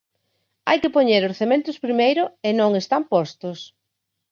Hai que poñer os cementos primeiro e non están postos.